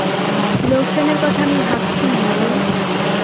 লোকসানের কথা আমি ভাবছি নে নীরু।